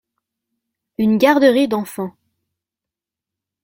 Une garderie d’enfants.